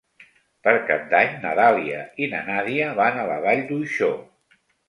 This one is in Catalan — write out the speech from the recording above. Per Cap d'Any na Dàlia i na Nàdia van a la Vall d'Uixó.